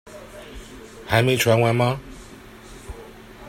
還沒傳完嗎？